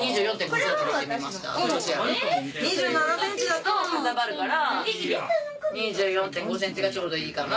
２７ｃｍだとかさばるから２４．５ｃｍがちょうどいいかな。